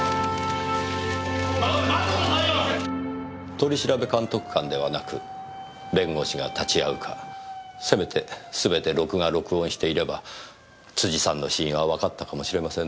取調監督官ではなく弁護士が立ち会うかせめてすべて録画録音していれば辻さんの死因はわかったかもしれませんねぇ。